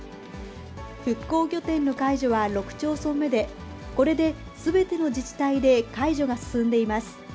復興拠点の解除は６町村目で、これで、すべての自治体で解除が進んでいます。